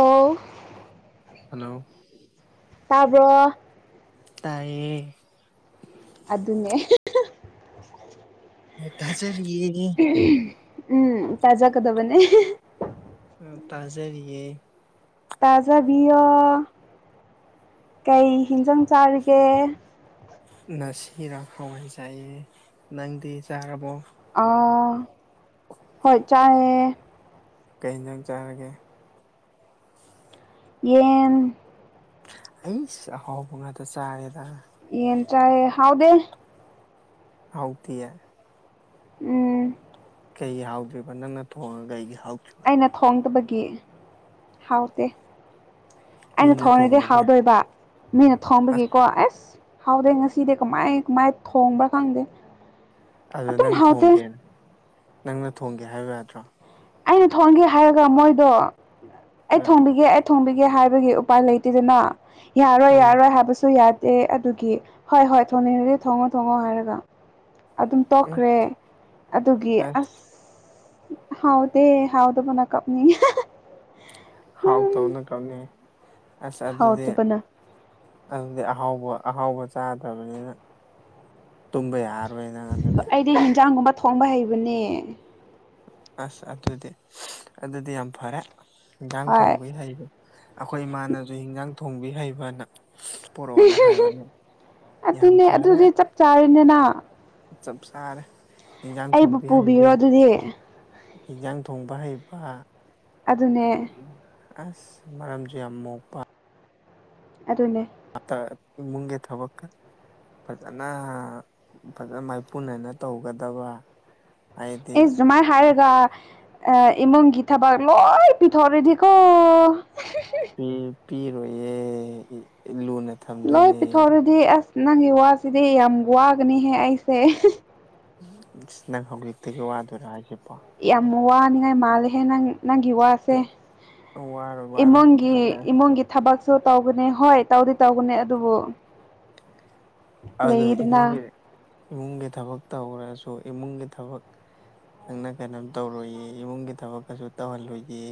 ꯑꯣ ꯍꯜꯂꯣ ꯇꯥꯕ꯭ꯔꯣ ꯇꯥꯢꯌꯦ ꯑꯗꯨꯅꯦ ꯑꯣ ꯇꯥꯖꯔꯤꯌꯦ [unintelligible] ꯎꯝ ꯇꯥꯖꯥ ꯀꯗꯕꯅꯦ [unintelligible] ꯎꯝ ꯇꯥꯖꯔꯤꯌꯦ ꯇꯥꯖꯕꯤꯌꯣ ꯀꯩ ꯍꯤꯟꯖꯥꯡ ꯆꯥꯔꯤꯒꯦ ꯅꯁꯤꯔꯥ ꯍꯋꯥꯢ ꯆꯥꯢꯑꯦ ꯅꯪꯗꯤ ꯆꯥꯔꯕꯣ ꯑꯧ ꯍꯣꯢ ꯆꯥꯌꯦ ꯀꯩ ꯌꯤꯟꯖꯥꯡ ꯆꯥꯔꯒꯦ ꯌꯦꯟ ꯍꯩꯁ ꯑꯍꯥꯎꯕ ꯉꯥꯛꯇ ꯆꯥꯔꯦꯗ ꯌꯦꯟ ꯆꯥꯢꯌꯦ ꯍꯥꯎꯗꯦ ꯍꯥꯎꯇꯤꯌꯦ ꯎꯝ ꯀꯩꯒꯤ ꯍꯥꯎꯗ꯭ꯔꯤꯕ ꯅꯪꯅ ꯊꯣꯡꯉꯥꯒ ꯀꯩꯒꯤ ꯍꯥꯎꯇ꯭ꯔꯤ ꯅ ꯊꯣꯡꯇꯕꯒꯤ ꯍꯥꯎꯇꯦ ꯑꯩꯅ ꯃꯤꯅ ꯊꯣꯡꯉꯥꯗꯤ ꯊꯣꯡꯕꯒꯤ ꯍꯥꯎꯗꯣꯢꯕ ꯃꯤꯅ ꯑꯁ ꯊꯣꯡꯕꯒꯤꯀꯣ ꯑꯦꯁ ꯍꯥꯎꯗꯦ ꯉꯁꯤꯗꯤ ꯀꯃꯥꯢ ꯀꯃꯥꯢ ꯊꯣꯡꯕ꯭ꯔꯥ ꯈꯪꯗꯦ ꯑꯗꯣ ꯑꯗꯨꯝ ꯅꯪ ꯍꯥꯎꯇꯦ ꯊꯣꯡꯒꯦ ꯅꯪꯅ ꯊꯣꯡꯒꯦ ꯍꯥꯢꯌꯣ ꯌꯥꯗ꯭ꯔꯣ ꯑꯩꯅ ꯊꯣꯡꯒꯦ ꯍꯥꯢꯔꯒ ꯃꯣꯢꯗꯣ ꯑꯩ ꯑ ꯊꯣꯡꯕꯤꯒꯦ ꯊꯣꯡꯕꯤꯒꯦ ꯍꯥꯢꯕꯒꯤ ꯎꯄꯢ ꯂꯩꯇꯦꯗꯅ ꯌꯥꯔꯣꯢ ꯎꯝ ꯌꯥꯔꯣꯢ ꯍꯥꯢꯕꯁꯨ ꯌꯥ ꯇꯦ ꯑꯗꯨꯒꯤ ꯍꯣꯢ ꯍꯣꯢ ꯊꯣꯡꯅꯤꯡꯔꯗꯤ ꯊꯣꯡꯉꯣ ꯊꯣꯡꯉꯣ ꯍꯥꯢꯔꯒ ꯑꯗꯨꯝ ꯑꯁ ꯇꯣꯛꯈ꯭ꯔꯦ ꯑꯗꯨꯒꯤ ꯑꯁ ꯍꯥꯎ ꯇꯦ ꯍꯥꯎꯗꯕꯅ ꯀꯞꯅꯤꯡꯉꯦ [unintelligible] ꯍꯥꯎꯇꯕꯅ ꯀꯞꯅꯤꯡꯉꯦ ꯑꯁ ꯑꯗꯨꯗꯤ ꯍꯥꯎꯇꯕꯅ ꯅꯪꯗꯤ ꯑꯍꯥꯎꯕ ꯑꯍꯥꯎꯕ ꯆꯥꯗ꯭ꯔꯕꯅꯤꯅ ꯇꯨꯝꯕ ꯌꯥꯔꯣꯢꯅ ꯅꯪ ꯑꯗꯨꯗꯤ ꯑꯩꯗꯤ ꯍꯦꯟꯖꯥꯡꯒꯨꯝꯕ ꯊꯣꯡꯕ ꯍꯩꯕꯅꯦ ꯑꯁ ꯑꯗꯨꯗꯤ ꯑꯗꯨꯗꯤ ꯌꯥꯝ ꯐꯔꯦ ꯏꯟꯖꯥꯡ ꯍꯣꯏ ꯊꯣꯡꯕꯩ ꯍꯩꯕ ꯑꯈꯣ ꯢ ꯏꯃꯥꯅꯖꯨ ꯍꯤꯟꯖꯥꯡ ꯊꯣꯡꯕꯤ ꯍꯩꯕꯅ ꯢꯁ ꯄꯣꯔꯛꯑꯣꯅ ꯍꯥꯢꯕꯅꯦ ꯌꯥꯝ ꯐꯔꯦ ꯆꯥꯔꯤꯅꯦꯅ ꯆꯞ ꯆꯥꯔꯦ ꯏꯟꯖꯥꯡ ꯑꯩꯕꯨ ꯊꯣꯡꯕꯤ ꯄꯨꯕꯤꯔꯣ ꯍꯩꯕꯤ ꯑꯗꯨꯗꯤ ꯍꯤꯟꯖꯥꯡ ꯊꯣꯡꯕ ꯍꯩꯕ ꯑꯗꯨꯅꯦ ꯑꯁ ꯃꯔꯝꯖꯨ ꯌꯥꯝ ꯃꯣꯛꯄ ꯑꯗꯨꯅꯦ ꯑꯝꯇ ꯏꯃꯨꯡꯒꯤ ꯊꯕꯛꯀ ꯐꯖꯅ ꯐꯖꯅ ꯃꯥꯏꯄꯨꯅꯅ ꯇꯧꯒꯗꯕ ꯍꯥꯏꯗꯤ ꯏꯁ ꯖꯨꯃꯥꯢ ꯑꯁ ꯍꯥꯢꯔꯒ ꯑꯥ ꯏꯃꯨꯡꯒꯤ ꯊꯕꯛ ꯂꯣꯏ ꯄꯤꯊꯣꯔꯗꯤꯀꯣ ꯄꯤ ꯄꯤꯔꯣꯏꯌꯦ ꯂꯨꯅ ꯂꯣꯏ ꯊꯝꯗꯣꯏꯅꯦ ꯄꯤꯊꯣꯔꯛꯗꯤ ꯑꯁ ꯅꯪꯒꯤ ꯋꯥꯁꯤꯗꯤ ꯌꯥꯝ ꯋꯥꯒꯅꯤꯍꯦ ꯑꯩꯁꯦ ꯑꯁ ꯅꯪ ꯍꯧꯖꯤꯛꯇꯒꯤ ꯋꯥꯗꯨꯏꯔꯣ ꯍꯥꯏꯖꯤꯕꯣ ꯌꯥꯝ ꯋꯥ ꯅꯤꯡꯉꯥꯏ ꯃꯥꯂꯦ ꯍꯦ ꯅꯪ ꯅꯪꯒꯤ ꯋꯥ ꯁꯦ ꯋꯥꯔꯣꯏ ꯋꯥꯔꯣꯏ ꯏꯃꯨꯡꯒꯤ ꯐꯖꯔꯦ ꯏꯃꯨꯡꯒꯤ ꯊꯕꯛꯁꯨ ꯇꯧꯕꯅꯦ ꯍꯣꯏ ꯇꯧꯗꯤ ꯇꯧꯕꯅꯦ ꯑꯗꯨꯕꯨ ꯑꯗꯣ ꯏꯃꯨꯡꯒꯤ ꯂꯩꯗꯅ ꯏꯃꯨꯡꯒꯤ ꯊꯕꯛ ꯇꯧꯒ꯭ꯔꯖꯨ ꯏꯃꯨꯡꯒꯤ ꯊꯕꯛ ꯅꯪꯅ ꯀꯩꯅꯣꯝ ꯇꯧꯔꯣꯏꯌꯦ ꯏꯃꯨꯡꯒꯤ ꯊꯕꯛ ꯀꯩꯁꯨ ꯇꯧꯍꯜꯂꯣꯏꯌꯦ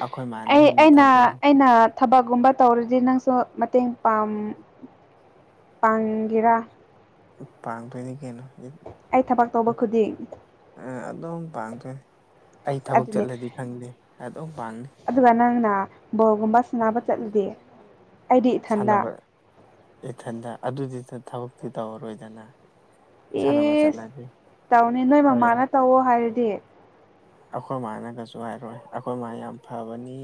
ꯑꯩꯈꯣꯏ ꯃꯥꯅ ꯑꯩ ꯍꯦꯟꯅ ꯑꯩꯅ ꯇꯧꯈ꯭ꯔꯦ ꯑꯩꯅ ꯊꯕꯛꯒꯨꯝꯕ ꯇꯧꯔꯗꯤ ꯅꯪꯁꯨ ꯃꯇꯦꯡ ꯄꯥꯝ ꯄꯥꯡꯒꯦꯔꯥ ꯄꯥꯡꯗꯣꯏꯅꯤ ꯀꯩꯅꯣ ꯑꯩ ꯊꯕꯛ ꯇꯧꯕ ꯈꯨꯗꯤꯡ ꯑꯥ ꯑꯗꯨꯝ ꯄꯥꯡꯗꯣꯏꯅꯤ ꯑꯩ ꯑꯁ ꯊꯕꯛ ꯑꯗꯨꯅꯦ ꯆꯠꯂꯗꯤ ꯈꯪꯗꯦ ꯑꯗꯨꯝ ꯄꯥꯡꯅꯤ ꯑꯗꯨꯒ ꯅꯪꯅ ꯕꯣꯜꯒꯨꯝꯕ ꯁꯅꯕ ꯆꯠꯂꯗꯤ ꯑꯩꯗꯤ ꯏꯊꯟꯗ ꯁꯥꯟꯅꯕ ꯏꯊꯟꯗ ꯑꯗꯨꯗꯤ ꯇ ꯊꯕꯛꯇꯤ ꯇꯧꯔꯔꯣꯏꯗꯅ ꯁꯥꯟꯅꯕ ꯢꯁ ꯆꯠꯂꯗꯤ ꯇꯧꯅꯤ ꯅꯣꯏ ꯃꯃꯥꯅ ꯇꯧꯋꯣ ꯍꯥꯏꯔꯗꯤ ꯑꯈꯣꯏ ꯃꯥꯅꯒꯁꯨ ꯍꯥꯏꯔꯣꯏ ꯑꯈꯣꯏ ꯃꯥ ꯌꯥꯝ ꯐꯕꯅꯤ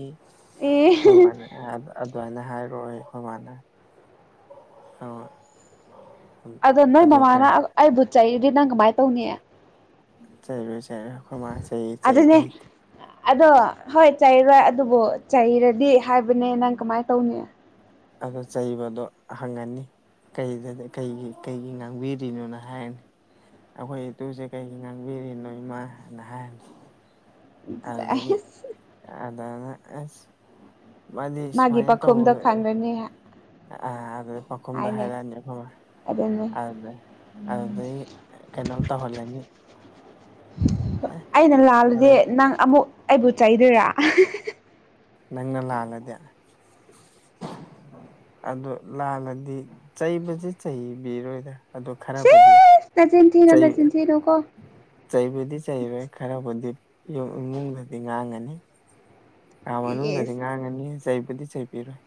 ꯑꯦ ꯑꯈꯣꯏ ꯃꯥꯅꯦ ꯑꯥꯗ ꯑꯗ꯭ꯋꯥꯏꯅ ꯍꯥꯏꯔꯣꯢ ꯑꯈꯣꯏ ꯃꯥꯥꯟꯅ [unintelligible] ꯑꯗꯣ ꯅꯣꯏ ꯑꯗꯨ ꯃꯃꯥꯅ ꯀꯩ ꯑꯩꯕꯨ ꯆꯩꯔꯗꯤ ꯅꯪ ꯀꯃꯥꯏ ꯇꯧꯅꯤ ꯆꯩꯔꯣꯢ ꯆꯩꯔꯣꯢ ꯑꯈꯣꯏꯃꯥ ꯆꯩ ꯆꯩ ꯕ ꯑꯗꯨꯅꯦ ꯍꯩꯇꯦ ꯑꯗꯣ ꯍꯣꯏ ꯆꯩꯔꯣꯏ ꯑꯗꯨꯕꯨ ꯆꯩꯔꯗꯤ ꯍꯥꯏꯕꯅꯦ ꯅꯪ ꯀꯃꯥꯏ ꯇꯧꯅꯤ ꯑꯗꯣ ꯆꯩꯕꯗꯣ ꯍꯪꯉꯅꯤ ꯀꯩꯗ ꯀꯩꯒꯤ ꯀꯩꯒꯤ ꯉꯥꯡꯕꯤꯔꯤꯅꯣꯅ ꯍꯥꯏꯔꯅꯤ ꯑꯩꯈꯣꯏ ꯏꯇꯨꯖꯦ ꯀꯩꯒꯤ ꯉꯥꯡꯕꯤꯔꯤꯅꯣ ꯏꯃꯥꯅ ꯍꯥꯏꯔꯅꯤ ꯑꯗꯨꯗꯒꯤ ꯑꯩꯁ ꯑꯗꯋ꯭ꯥꯢꯅ ꯑꯁ ꯃꯥꯗꯤ ꯃꯥꯒꯤ ꯁꯨꯃꯥꯏꯅ ꯇꯧ ꯄꯥꯈꯨꯝꯗꯣ ꯈꯪꯒꯅꯤ ꯑꯥ ꯑꯗꯨꯗꯩ ꯄꯥꯎꯈꯨꯝꯗꯣ ꯍꯥꯏꯅꯦ ꯍꯥꯏꯔꯛꯑꯅꯤ ꯑꯈꯣꯢ ꯃꯥꯅ ꯑꯗꯨꯅꯦ ꯑꯗ ꯑꯗꯨꯗꯩ ꯀꯩꯅꯣꯝ ꯇꯧꯍꯜꯂꯅꯤ ꯑꯩꯅ ꯂꯥꯜꯂꯗꯤ ꯑꯗꯒꯤ ꯅꯪ ꯑꯃꯨꯛ ꯑꯩꯕꯨ ꯆꯩꯗꯣꯏꯔꯥ ꯅꯪꯅ ꯂꯥꯜꯂꯗꯤ ꯑꯗꯣ ꯂꯥꯜꯂꯗꯤ ꯆꯩꯕꯖꯦ ꯆꯩꯕꯤꯔꯣꯏꯗ ꯑꯗꯣ ꯈꯔꯕꯨꯗꯤ ꯁꯤꯁ ꯅꯆꯤꯟ ꯊꯤꯅꯨ ꯆꯩ ꯅꯆꯤꯟ ꯊꯤꯅꯨꯀꯣ ꯆꯩꯕꯗꯤ ꯆꯩꯔꯣꯢ ꯈꯔꯕꯨꯗꯤ ꯌꯨꯝ ꯏꯃꯨꯡꯗꯗꯤ ꯉꯥꯡꯒꯅꯤ ꯥ ꯀꯥ ꯃꯅꯨꯡꯗꯗꯤ ꯏꯁ ꯉꯥꯡꯉꯅꯤ ꯆꯩꯕꯗꯤ ꯆꯩꯕꯤꯔꯣꯏ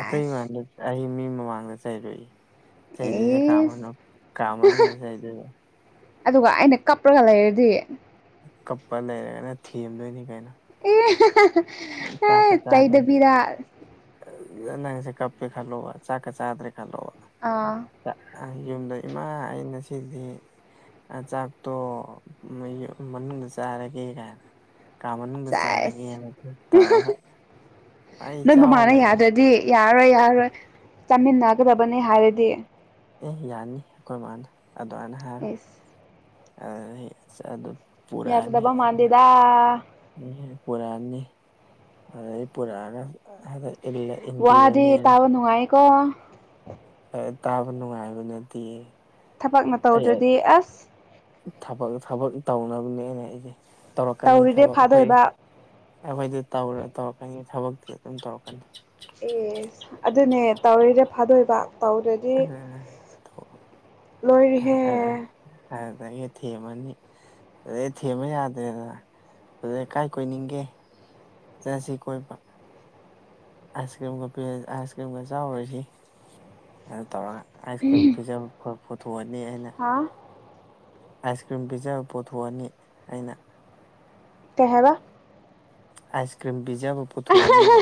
ꯑꯇꯩ ꯃꯝꯗꯗꯤ ꯑꯩ ꯃꯤ ꯃꯃꯥꯡꯗ ꯆꯩꯔꯣꯏꯌꯦ ꯆꯩꯗꯣꯏꯖꯦ ꯀꯥ ꯏꯁ ꯃꯅꯨꯡ ꯀꯥ ꯃꯅꯨꯡꯗ ꯆꯩꯗꯣꯏꯅꯦ ꯑꯗꯨꯒ ꯑꯩꯅ ꯀꯞꯄ꯭ꯔꯒ ꯂꯩꯔꯗꯤ ꯀꯞꯄ ꯂꯩꯔꯒꯅ ꯊꯦꯝꯗꯣꯏꯅꯤ ꯀꯩꯅꯣ ꯑꯦ [unintelligible] ꯆꯩꯗꯕꯤꯔ ꯗ ꯅꯪꯁꯦ ꯀꯞꯄꯦ ꯈꯜꯂꯣꯕ ꯆꯥꯛꯀ ꯆꯥꯗ꯭ꯔꯦ ꯈꯜꯂꯣꯕ ꯑꯥ ꯗ ꯑ ꯌꯨꯝꯗ ꯏꯃꯥ ꯑꯩ ꯉꯁꯤꯗꯤ ꯑ ꯆꯥꯛꯇꯣ ꯃꯌꯨ ꯃꯅꯨꯡꯗ ꯆꯥꯔꯒꯦ ꯒꯥꯏꯅ ꯀꯥ ꯃꯅꯨꯡꯗ ꯆꯥꯏꯁ ꯆꯥꯔꯒꯦꯅ ꯇꯧꯔꯒ ꯑꯩ ꯆꯥꯎꯃꯦ ꯌꯥꯔꯣꯏ ꯌꯥꯔꯣꯏ ꯆꯥꯃꯤꯟꯅꯒꯗꯕꯅꯦ ꯍꯥꯏꯔꯗꯤ ꯑꯦ ꯌꯥꯅꯤ ꯑꯈꯣꯏ ꯃꯥꯅ ꯑꯗ꯭ꯋꯥꯏꯅ ꯑꯦꯁ ꯍꯥꯏꯔꯣꯏ [unintelligible] ꯑꯁ ꯑꯗꯨ ꯄꯨꯔꯥꯑꯅꯤ ꯌꯥꯒꯗꯕ ꯑꯟꯅ ꯃꯥꯟꯗꯦꯗ [unintelligible] ꯄꯨꯔꯑꯅꯤ ꯑꯗꯩ ꯄꯨꯔꯛꯑꯔꯣꯢ ꯑ ꯍꯥꯢꯗꯤ ꯏꯜꯂꯦ ꯋꯥꯗꯤ ꯇꯥꯕ ꯅꯨꯡꯉꯥꯏꯀꯣ ꯑꯦ ꯇꯥꯕ ꯅꯨꯡꯉꯥꯏꯕ ꯅꯇꯤꯌꯦ ꯊꯕꯛꯅ ꯇꯧꯗ꯭ꯔꯗꯤ ꯑꯁ ꯊꯕꯛ ꯊꯕꯛ ꯇꯧꯅꯕꯅꯦ ꯑꯩꯅ ꯍꯥꯏꯖꯦ ꯇꯧꯔꯛꯀꯅꯤ ꯇꯧꯔꯤꯗꯤ ꯊꯕꯛ ꯑꯩꯈꯣꯏ ꯐꯥꯗꯣꯏꯕ ꯑꯩꯈꯣꯏꯗꯤ ꯇꯧꯔ ꯇꯧꯔꯛꯀꯅꯤ ꯊꯕꯛꯇꯤ ꯑꯗꯨꯝ ꯇꯧꯔꯛꯀꯅꯤ ꯑꯦꯁ ꯑꯗꯨꯅꯦ ꯇꯧꯔꯤꯗꯣ ꯐꯥꯗꯣꯏꯕ ꯇꯧꯗ꯭ꯔ ꯗꯤ ꯂꯣꯏꯔꯤꯍꯦ ꯑꯗꯨꯗꯒꯤ ꯊꯦꯝꯃꯅꯤ ꯑꯗꯩ ꯊꯦꯝꯕ ꯌꯥꯗ꯭ꯔꯦꯗꯅ ꯑꯗꯨꯗꯩ ꯀꯥꯏ ꯀꯣꯏꯅꯤꯡꯒꯦ ꯆꯁꯤ ꯀꯣꯏꯕ ꯑꯥꯏꯁ ꯀ꯭ꯔꯤꯝꯒ ꯄꯤꯔ ꯑꯥꯏꯁ ꯀ꯭ꯔꯤꯝꯒ ꯆꯥꯎꯔꯖꯤ ꯑꯗꯨ ꯇꯧꯔꯒ ꯑꯥꯏꯁ ꯀ꯭ꯔꯤꯝ ꯄꯤꯖꯕ ꯐ ꯐꯣꯊꯣꯛꯑꯅꯤ ꯑꯩꯅ ꯍꯥꯥ ꯑꯥꯏꯁ ꯀ꯭ꯔꯤꯝ ꯄꯤꯖꯕ ꯄꯣꯊꯣꯛꯑꯅꯤ ꯑꯩꯅ ꯀꯩ ꯍꯥꯏꯕ ꯑꯥꯏꯁ ꯀ꯭ꯔꯤꯝ ꯄꯤꯖꯕ ꯄꯨꯊꯣꯛꯑꯅꯤꯕ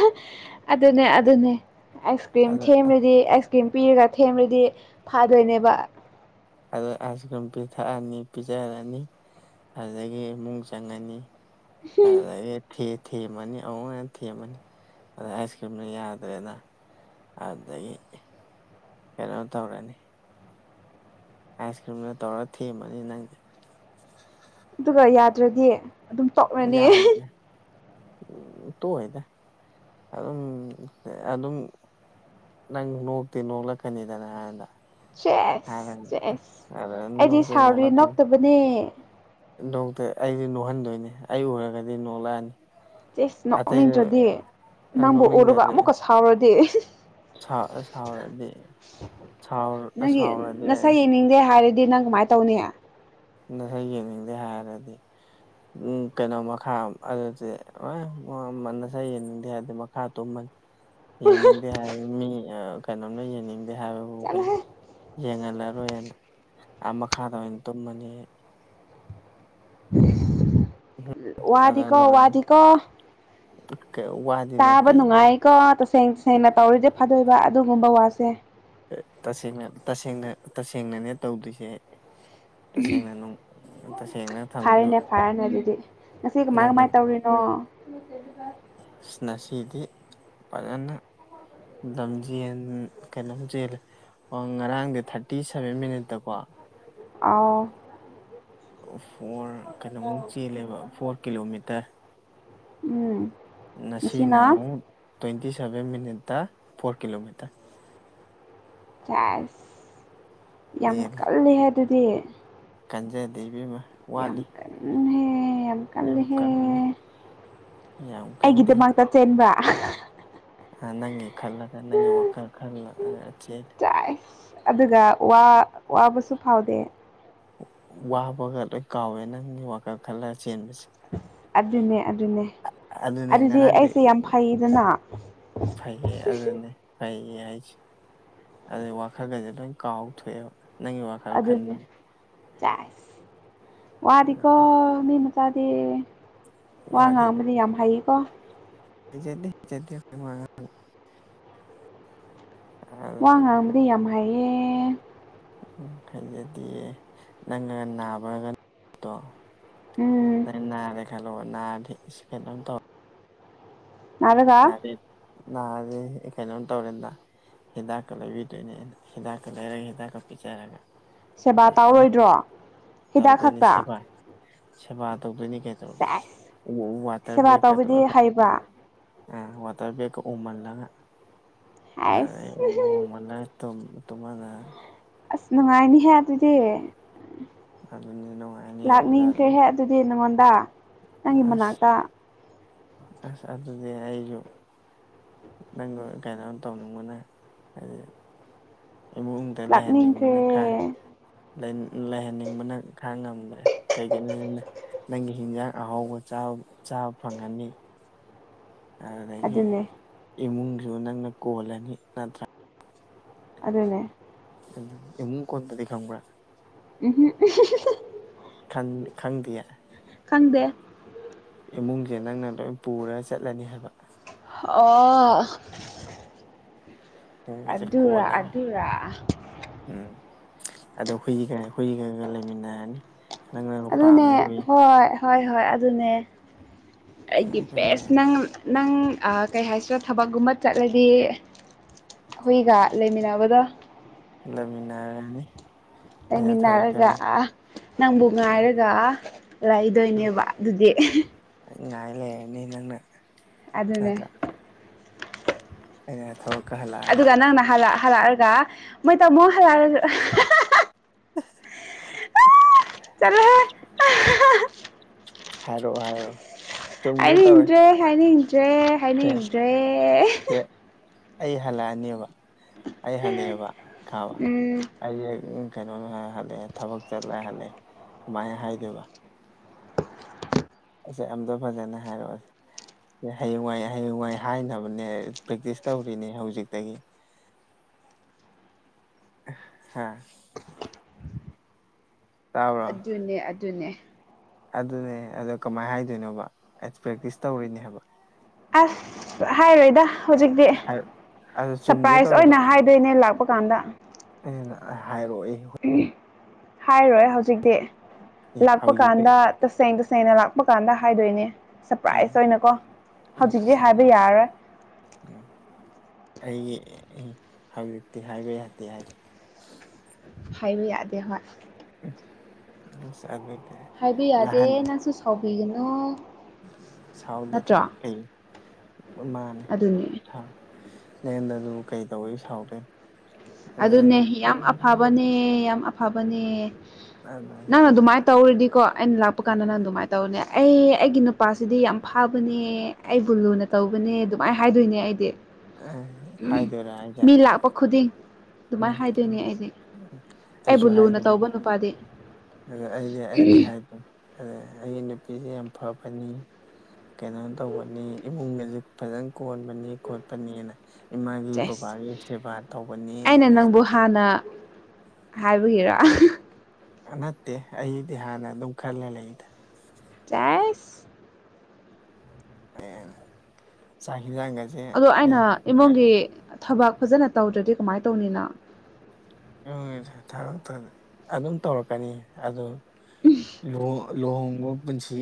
ꯑꯗꯨꯅꯦ ꯑꯗꯨꯅꯦ ꯑꯥꯏꯁ ꯀ꯭ꯔꯤꯝ ꯑꯗ ꯊꯦꯝꯔꯗꯤ ꯑꯥꯏꯁ ꯀꯔꯤꯝ ꯄꯤꯔꯒ ꯊꯦꯝꯔꯗꯤ ꯐꯥꯗꯣꯏꯅꯦꯕ ꯑꯗꯣ ꯑꯥꯏꯁ ꯀ꯭ꯔꯤꯝ ꯄꯤꯊꯛꯑꯅꯤ ꯄꯤꯖꯔꯅꯤ ꯑꯗꯨꯗꯒꯤ ꯏꯃꯨꯡ ꯆꯪꯉꯥꯅꯤ ꯑꯗꯨꯗꯒꯤ ꯊꯦ ꯊꯦꯝꯃꯅꯤ ꯑꯃꯨꯛ ꯍꯦꯟꯅ ꯊꯦꯝꯃꯅꯤ ꯑꯗ ꯑꯥꯏꯁ ꯀ꯭ꯔꯤꯝꯅ ꯌꯥꯗ꯭ꯔꯦꯅ ꯑꯗꯩ ꯀꯩꯅꯣ ꯇꯧꯔꯅꯤ ꯑꯥꯏꯁ ꯀ꯭ꯔꯤꯝꯅ ꯇꯧꯔ ꯊꯦꯝꯃꯅꯤ ꯅꯪꯗ‌ꯦ ꯑꯗꯨꯒ ꯌꯥꯗ꯭ꯔꯗꯤ ꯑꯗꯨꯝ ꯇꯣꯛꯔꯅꯤ ꯌꯥ [unintelligible] ꯇꯣꯛꯑꯣꯏꯗ ꯑꯗꯨꯝ ꯑꯗꯨꯝ ꯅꯪ ꯅꯣꯛꯇꯤ ꯅꯣꯛꯂꯛꯀꯅꯤꯗꯅ ꯑꯗ ꯆꯦꯁ ꯆꯦꯁ ꯑꯗ ꯑꯩꯗꯤ ꯅꯣꯛꯇꯤ ꯁꯥꯎꯔꯤ ꯅꯣꯛꯇꯕꯅꯦ ꯗꯣꯛꯇꯔ ꯑꯩꯗꯤ ꯅꯣꯛꯍꯟꯗꯣꯏꯅꯦ ꯑꯩ ꯎꯔꯒꯗꯤ ꯅꯣꯛꯂꯑꯅꯤ ꯆꯦꯁ ꯅꯣꯛꯅꯤꯡꯗ꯭ꯔꯗꯤ ꯅꯪꯕꯨ ꯎꯔꯒ ꯑꯃꯨꯛꯀ ꯁꯥꯎꯔꯗꯤ ꯁꯥ ꯁꯥꯎꯔꯗꯤ ꯁꯥꯎꯔ ꯅꯪꯒꯤ ꯁꯥꯎꯔꯗꯤ ꯅꯁꯛ ꯌꯦꯡꯅꯤꯡꯗꯦ ꯍꯥꯏꯔꯗꯤ ꯅꯪ ꯀꯃꯥꯏ ꯇꯧꯅꯤ ꯅꯁꯛ ꯌꯦꯡꯅꯤꯡꯗꯦ ꯍꯥꯏꯔꯗꯤ ꯎꯝ ꯀꯩꯅꯣ ꯃꯈꯥ ꯑꯗꯨꯗꯤ [unintelligible] ꯅꯁꯛ ꯌꯦꯡꯅꯤꯡꯗꯦ ꯍꯥꯏꯔꯗꯤ ꯃꯈꯥ ꯇꯨꯝꯃꯅꯤ ꯌꯦꯡꯅꯤꯡꯗꯦ ꯍꯥꯏꯕ ꯃꯤ ꯑꯥ ꯀꯩꯅꯣꯝꯅ ꯌꯦꯡꯅꯤꯡꯗꯦ ꯍꯥꯏꯕꯕꯨ ꯀꯩꯩꯟ ꯆꯠꯂꯣꯍꯦ ꯌꯦꯡꯍꯜꯂꯔꯣꯏꯅ ꯑꯥ ꯃꯈꯥꯗ ꯑꯣꯏꯅ ꯇꯨꯝꯃꯅꯤ ꯑꯩ ꯑ ꯋꯥꯗꯤꯀꯣ ꯑꯗꯨꯅ ꯋꯥꯗꯤꯀꯣ ꯋꯥꯗꯤ ꯇꯥꯕ ꯅꯠꯇꯦ ꯅꯨꯡꯉꯥꯏ ꯀꯣ ꯇꯁꯦꯡ ꯇꯁꯦꯡꯅ ꯇꯧꯔꯗꯤ ꯐꯥꯗꯣꯏꯕ ꯑꯗꯨꯒꯨꯝꯕ ꯋꯥꯁꯦ ꯇ ꯇꯁꯦꯡꯅ ꯇꯁꯦꯡꯅ ꯇꯁꯦꯡꯅꯅꯦ ꯇꯧꯗꯨꯏꯁ‌ꯦ ꯇꯁꯦꯡꯅ ꯅꯨꯡ ꯇꯁꯦꯡꯅ ꯊꯝꯗꯣꯏꯕ ꯐꯥꯔꯦꯅꯦ ꯐꯥꯔꯦꯅꯦ ꯑꯗꯨꯗꯤ ꯉꯁꯤ ꯀꯃꯥꯏ ꯅꯪꯅ ꯀꯃꯥꯏꯟ ꯇꯧꯔꯤꯅꯣ ꯑꯁ ꯅꯁꯤꯗꯤ ꯐꯖꯅ ꯂꯝꯖꯦꯟ ꯀꯩꯅꯣꯝ ꯆꯦꯜꯂꯦ ꯑꯣ ꯉꯔꯥꯡꯗꯤ ꯊꯥꯔꯇꯤ ꯁꯚꯦꯟ ꯃꯤꯅꯠꯇ ꯀꯣ ꯑꯥꯎ ꯐꯣꯔ ꯀꯩꯅꯣꯃꯨꯛ ꯆꯦꯜꯂꯦꯕ ꯐꯣꯔ ꯀꯤꯂꯣꯃꯤꯇꯔ ꯎꯝ ꯉꯁꯤꯅ ꯑꯃꯨꯛ ꯇ꯭ꯋꯦꯟꯇꯤ ꯁꯚꯦꯟ ꯃꯤꯅꯠꯇ ꯐꯣꯔ ꯀꯤꯂꯣꯃꯤꯇꯔ ꯁꯦꯁ ꯌꯥꯝ ꯆꯦꯜꯂꯤ ꯀꯜꯂꯤꯍꯦ ꯑꯗꯨꯗꯤ ꯀꯟꯖꯗꯦ ꯏꯕꯦꯝꯃꯥ ꯌꯥꯝ ꯀꯟꯂꯤꯍꯦ ꯌꯥꯝ ꯀꯜꯂꯦꯍꯦ ꯌꯥꯝ ꯀꯟꯗꯦ ꯑꯩꯒꯤꯗꯃꯛꯇ ꯆꯦꯟꯕ꯭ꯔꯥ [unintelligible] ꯑꯥ ꯅꯪꯒꯤ ꯈꯜꯂꯒ ꯅꯪꯒꯤ ꯋꯥꯈꯜ ꯈꯜꯂ ꯈꯜꯂ ꯆꯦꯜꯂꯦ ꯆꯥꯏ ꯑꯗꯨꯒ ꯋꯥ ꯋꯥꯕꯁꯨ ꯐꯥꯎꯗꯦ ꯋꯥꯕꯒ ꯂꯣꯏ ꯀꯥꯎꯋꯦ ꯅꯪꯒꯤ ꯋꯥꯈꯜ ꯈꯜꯂ ꯆꯦꯟꯕꯁꯦ ꯑꯗꯨꯅꯦ ꯑꯗꯨꯅꯦ ꯑꯗꯨꯅꯦ ꯑꯗꯨꯗꯤ ꯉꯔꯥꯡꯗꯤ ꯑꯩꯁꯦ ꯌꯥꯝ ꯐꯩꯌꯦꯗꯅ ꯐꯩꯌꯦ [unintelligible] ꯑꯗꯨꯅꯦ ꯐꯩꯌꯦ ꯍꯥꯏꯖꯤ ꯑꯗꯨ ꯋꯥꯈꯜꯒꯖꯦ ꯂꯣꯏ ꯀꯥꯎꯊꯣꯛꯑꯦꯕ ꯅꯪꯒꯤ ꯋꯥꯈꯜ ꯑꯗꯨꯅꯤ ꯈꯟꯕꯗ ꯁꯦꯁ ꯋꯥꯗꯤꯀꯣ ꯃꯤ ꯃ ꯆꯥꯗꯤ ꯋꯥ ꯋꯥꯗꯤ ꯉꯥꯡꯕꯗꯤ ꯌꯥꯝ ꯍꯩꯀꯣ ꯍꯩꯖꯗꯦ ꯍꯩꯖꯗꯦ ꯑꯈꯣꯏ ꯋꯥ ꯉꯥꯡꯕ [unintelligible] ꯋꯥ ꯉꯥꯡꯕꯗꯤ ꯌꯥꯝ ꯍꯥꯏꯌꯦ ꯍꯥꯏꯖꯗꯤꯌꯦ ꯅꯪꯒꯅ ꯅꯥꯕ ꯅꯨꯃꯤꯠꯇꯣ ꯎꯝ ꯅꯔꯦ ꯈꯜꯂꯣ ꯅꯔꯗꯤ ꯏꯁ ꯀꯩꯅꯣꯝ ꯇꯧ ꯅꯥꯔꯒ ꯃꯥꯗꯤ ꯅꯔꯦ ꯑꯩ ꯀꯩꯅꯣꯝ ꯇꯧꯔꯦꯅ ꯍꯤꯗꯥꯛꯀ ꯂꯩꯕꯤꯗꯨꯏꯅꯦ ꯑꯗꯨ ꯍꯤꯗꯥꯛꯀ ꯂꯩꯔꯒ ꯍꯤꯗꯥꯛꯀ ꯄꯤꯖꯔꯒ ꯁꯦꯕꯥ ꯐꯖꯅ ꯇꯧꯔꯔꯣꯏꯗ꯭ꯔꯣ ꯇꯧꯗꯣꯏꯅꯤ ꯁꯦꯕꯥ ꯁꯦꯕꯥ ꯇꯧꯗꯣꯏꯅꯤ ꯀꯩꯗꯧꯔꯒꯦ ꯁꯦꯁ ꯋꯥꯇꯔ ꯁꯦꯕꯥ ꯕꯦꯛꯀꯗꯣ ꯇꯧꯕꯗꯤ ꯍꯩꯕ꯭ꯔꯥ ꯑꯥ ꯋꯥꯇ꯭ꯔ ꯕꯦꯛꯀ ꯑꯣꯝꯃꯜꯂꯒ ꯑꯗꯩ ꯍꯥꯏꯁ ꯑꯣꯝꯍꯜꯂ ꯇꯨꯝ ꯇꯨꯝꯃꯜꯂ ꯑꯁ ꯅꯨꯡꯉꯥꯏꯅꯤꯍꯦ ꯑꯗꯨꯗꯤ ꯑꯗꯨꯅꯤ ꯅꯨꯡꯉꯥꯏꯅꯤ ꯑꯗꯨꯗ ꯑꯗꯨꯝ ꯂꯥꯛꯅꯤꯡꯈ꯭ꯔꯦꯍꯦ ꯑꯗꯨꯗꯤ ꯅꯪꯉꯣꯟꯗ ꯅꯪꯒꯤ ꯑꯁ ꯃꯅꯥꯛꯇ ꯑꯁ ꯑꯗꯨꯅꯦ ꯑꯩꯖꯨ ꯅꯪꯒ ꯀꯩꯅꯣ ꯇꯧꯅꯤꯡꯕꯅ ꯍꯥꯏꯗꯤ ꯏꯃꯨꯡꯗ ꯂꯩꯍꯟꯅꯤꯡꯕꯅ [unintelligible] ꯂꯥꯛꯅꯤꯡꯈ꯭ꯔꯦ ꯂꯩ ꯂꯩꯍꯟꯅꯤꯡꯕꯅ ꯈꯥꯡ ꯉꯝꯗ꯭ꯔꯦ ꯀꯩꯒꯤꯅꯣꯅ ꯅꯪꯒꯤ ꯍꯤꯟꯖꯥꯡ ꯑꯍꯥꯎꯕ ꯆꯥ ꯆꯥꯕ ꯐꯪꯉꯅꯤ ꯑꯗꯨꯗꯒꯤ ꯑꯗꯨꯅꯦ ꯏꯃꯨꯡꯖꯨ ꯅꯪꯅ ꯀꯣꯜꯂꯅꯤ ꯅꯠꯇ꯭ꯔꯥ ꯑꯗꯨꯅꯦ ꯑꯗꯨ ꯏꯃꯨꯡ ꯀꯣꯟꯕꯗꯤ ꯈꯪꯕ꯭ꯔꯥ [unintelligible] ꯈꯟ ꯈꯪꯗꯤꯌꯦ ꯈꯪꯗꯦ ꯏꯃꯨꯡꯖꯦ ꯅꯪꯅ ꯂꯣꯏ ꯄꯨꯔ ꯆꯠꯂꯅꯤ ꯍꯥꯏꯕ ꯍꯥꯑꯣ [unintelligible] ꯒꯥꯁꯦ ꯑꯗꯨꯔꯥ ꯀꯣꯜꯂꯒ ꯑꯗꯨꯔꯥ ꯎꯝ ꯑꯗꯣ ꯍꯨꯏꯒꯥ ꯍꯨꯏꯒꯥꯒ ꯂꯩꯃꯤꯟꯅꯔꯅꯤ ꯅꯪꯅꯒ ꯑꯗꯨꯅꯦ ꯄꯥꯝꯃꯤ ꯍꯨꯏ ꯍꯣꯏ ꯍꯣꯏ ꯍꯣꯏ ꯑꯗꯨꯅꯦ ꯑꯩꯒꯤ ꯍꯌꯦꯡ ꯕꯦꯁ ꯅꯪ ꯅꯪ ꯑꯥ ꯀꯩꯍꯥꯏꯁꯤꯔꯥ ꯊꯕꯛꯒꯨꯝꯕ ꯆꯠꯂꯗꯤ ꯍꯨꯏꯒꯥ ꯂꯩꯃꯤꯟꯅꯕꯗꯣ ꯂꯩꯃꯤꯟꯅꯔꯅꯤ ꯑꯩꯅ ꯊꯕꯛ ꯂꯩꯃꯤꯟꯅꯔꯒꯥ ꯆꯠꯂꯦ ꯑꯥ ꯅꯪꯕꯨ ꯉꯥꯏꯔꯒꯥ ꯂꯩꯥꯗꯣꯏꯅꯦꯕ ꯑꯗꯨꯗꯤ ꯅꯪ ꯉꯥꯏ ꯂꯩꯔꯅꯤ ꯅꯪꯅ ꯑꯗꯨꯅꯦ ꯅꯠꯇ꯭ꯔꯥ ꯑꯩꯅ ꯊꯕꯛ ꯑꯗꯨꯒꯥ ꯅꯪꯅ ꯍꯜꯂꯛ ꯍꯜꯂꯛꯔꯥꯒ ꯃꯣꯏ ꯇꯥꯃꯣ ꯍꯥꯂꯔ ꯆꯥꯂꯥꯍꯦ ꯍꯥꯏꯔꯛꯑꯣ ꯍꯥꯏꯔꯣ ꯍꯥꯏꯅꯤꯡꯗ꯭ꯔꯦ ꯍꯥꯏꯅꯤꯡꯗ꯭ꯔꯦ ꯁꯦ ꯍꯥꯏꯅꯤꯡꯗ꯭ꯔꯦ ꯁꯦ ꯑꯩ ꯍꯜꯂꯛꯑꯅꯦꯕ ꯑꯩ ꯍꯜꯂꯦꯑꯦꯕ ꯈꯥꯕ ꯎꯝ ꯑꯩꯖꯦ ꯎꯝ ꯀꯩꯅꯣꯅ ꯍꯜꯂꯛꯑꯦ ꯊꯕꯛ ꯆꯠꯂꯦ ꯍꯜꯂꯦ ꯀꯃꯥꯏ ꯍꯥꯏꯗꯣꯏꯕ ꯖꯦ ꯑꯝꯇꯥ ꯐꯖꯅ ꯍꯥꯏꯔꯛꯑꯣꯁꯦ ꯍꯌꯦꯡꯋꯥꯏ ꯍꯌꯦꯡꯋꯥꯏ ꯍꯥꯏꯅꯕꯅꯦ ꯄ꯭ꯔꯦꯛꯇꯤꯁ ꯇꯧꯔꯤꯅꯦ ꯍꯧꯖꯤꯛꯇꯥꯒꯤ ꯑꯥ ꯍꯥꯥ ꯇꯥꯕ꯭ꯔꯣ ꯑꯗꯨꯅꯦ ꯑꯗꯨꯅꯦ ꯑꯗꯨꯅꯦ ꯑꯗꯣ ꯀꯃꯥꯏ ꯍꯥꯏꯗꯨꯏꯅꯣꯕ ꯑꯠ ꯄ꯭ꯔꯦꯛꯇꯤꯁ ꯇꯧꯔꯤꯅꯦꯕ ꯍꯥꯏꯕ ꯑꯁ ꯍꯥꯏꯔꯣꯏꯗꯥ ꯍꯧꯖꯤꯛꯗꯤ ꯑꯗꯨ ꯆꯨꯝꯒꯦ ꯁꯔꯄ꯭ꯔꯥꯏꯖ ꯇꯧꯋꯦꯕ ꯑꯣꯏꯅ ꯍꯥꯏꯗꯣꯏꯅꯦ ꯂꯥꯞ ꯄꯀꯥꯟꯗ ꯑꯩꯅ ꯍꯥꯏꯔꯣꯏ ꯎꯝ ꯍꯥꯏꯔꯣꯏ ꯍꯧꯖꯤꯛꯗꯤ ꯂꯥꯛꯄ ꯍꯧꯖꯤꯛꯇꯤ ꯀꯥꯟꯗ ꯇꯥꯁꯦꯡ ꯇꯥꯁꯦꯡꯅ ꯂꯥꯛꯄ ꯀꯥꯟꯗ ꯍꯥꯏꯗꯣꯏꯅꯦ ꯁꯔꯄ꯭ꯔꯥꯏꯖ ꯎꯝ ꯑꯣꯏꯅꯀꯣ ꯍꯧꯖꯤꯛꯗꯤ ꯁꯥꯕ ꯍꯥꯏꯕ ꯌꯥꯔꯔꯣꯏ ꯎꯝ ꯑꯩꯒꯤ ꯍꯧꯖꯤꯛꯇꯤ ꯍꯥꯏꯕ ꯌꯥꯗꯦ ꯍꯥꯏꯗꯣ ꯍꯥꯏꯕ ꯌꯥꯗꯦ ꯍꯣꯏ ꯎꯝ ꯑꯁ ꯑꯗꯨ ꯍꯥꯏꯕ ꯌꯥꯗꯦ ꯅꯪꯁꯨ ꯁꯥꯎꯕꯤꯒꯥꯅꯨ ꯁꯥꯎꯗꯦꯗ ꯀꯩ ꯃꯥꯅꯦ ꯑꯗꯨꯅꯦ ꯍꯥ ꯅꯦꯟꯗ ꯑꯗꯨꯕꯨ ꯀꯩ ꯇꯧꯋꯤ ꯁꯥꯎꯗꯣꯏꯅꯣ ꯑꯗꯨꯗꯤ ꯑꯗꯨꯅꯦ ꯅꯨꯡꯁꯤ ꯌꯥꯝ ꯑꯐꯕꯅꯦ ꯌꯥꯝ ꯑꯞ ꯐꯕꯅꯦ ꯅꯪꯅ ꯑꯗꯨꯃꯥꯏ ꯇꯧꯔꯤꯗꯤꯀꯣ ꯑꯩꯅ ꯂꯥꯛꯄ ꯀꯥꯟꯗ ꯅꯪ ꯑꯗꯨꯃꯥꯏꯟ ꯇꯧꯅꯦ ꯑꯩ ꯑꯩꯒꯤ ꯅꯨꯄꯥꯁꯤꯗꯤ ꯌꯥꯝ ꯐꯥꯕꯅꯦ ꯑꯩꯕꯨ ꯂꯨꯅ ꯇꯧꯕꯅꯦ ꯗꯨꯃꯥꯏ ꯍꯥꯏꯗꯣꯏꯅꯦ ꯑꯩꯗꯤ ꯎꯝ ꯍꯥꯏꯗꯣꯏꯔꯥ ꯍꯥꯏꯁꯦ ꯃꯤ ꯂꯥꯛꯄ ꯈꯨꯗꯤꯡ ꯑꯗꯨꯃꯥꯏꯅ ꯎꯝ ꯍꯥꯏꯗꯣꯏꯅꯦ ꯑꯩꯗꯤ [inaudible] ꯑꯩꯖꯨ ꯑꯩꯕꯨ ꯂꯨꯅ ꯍꯥꯏꯗꯣꯏꯅꯤ ꯇꯧꯕ ꯅꯨꯄꯥꯗꯤ ꯑꯗ ꯑꯩꯗꯤ ꯑꯩꯗꯤ ꯍꯥꯏꯗꯣꯏꯟ ꯑꯗꯨ ꯑꯩꯒꯤ ꯅꯨꯄꯤꯁꯤ ꯌꯥꯝ ꯐꯕꯅꯤ ꯀꯩꯅꯣ ꯇꯧꯕꯅꯤ ꯏꯃꯨꯡꯒꯥꯖꯨ ꯐꯖꯅ ꯀꯣꯟꯕꯅꯤ ꯈꯣꯠꯄꯅꯤꯅ ꯏꯃꯥꯒꯤ ꯆꯦꯁ ꯕꯕꯥꯒꯤ ꯁꯦꯕꯥ ꯇꯧꯕꯅꯦꯅ ꯑꯩꯅ ꯅꯪꯕꯨ ꯍꯥꯟꯅ ꯍꯥꯏꯕꯒꯤꯔꯥ ꯑꯥ ꯅꯠꯇꯦ ꯑꯩꯗꯤ ꯍꯥꯟꯅ ꯑꯗꯨꯝ ꯈꯜꯂꯥ ꯂꯩꯗ ꯆꯦꯁ ꯌꯥ ꯑꯦ ꯆꯥꯛ ꯍꯤꯟꯖꯥꯡ ꯒꯖꯦ ꯑꯗꯣ ꯑꯩꯅ ꯏꯃꯨꯡꯒꯤ ꯊꯕꯛ ꯐꯖꯅ ꯇꯧꯗ꯭ꯔꯗꯤ ꯀꯃꯥꯏ ꯇꯧꯅꯤ ꯅꯪ [unintelligible] ꯑꯗꯨꯝ ꯇꯧꯔꯛꯀꯅꯤ ꯑꯗꯨ ꯂꯨꯍꯣꯡ ꯂꯍꯣꯡꯕ ꯄꯨꯟꯁꯤ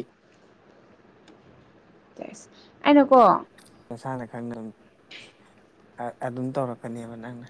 ꯑꯩꯅꯀꯣ ꯅꯁꯥꯅ ꯈꯪꯗꯧꯅꯤ ꯑ ꯑꯗꯨꯝ ꯇꯧꯔꯛꯀꯅꯦꯕ ꯅꯪꯅ